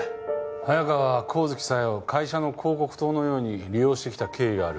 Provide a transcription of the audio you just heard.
早川は神月沙代を会社の広告塔のように利用してきた経緯がある。